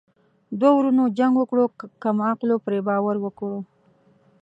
ـ دوه ورونو جنګ وکړو کم عقلو پري باور وکړو.